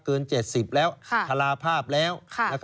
เกิน๗๐แล้วทลาภาพแล้ว